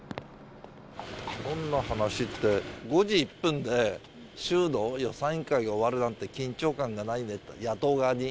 どんな話って、５時１分で衆の予算委員会が終わるなんて、緊張感がないねって、野党側に。